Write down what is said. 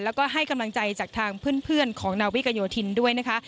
แล้วก็ให้กำลังใจจากทางเพื่อนของนาวิกโยธินด้วยนะคะ